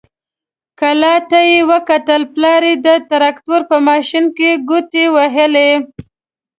کلا ته يې وکتل، پلار يې د تراکتور په ماشين کې ګوتې وهلې.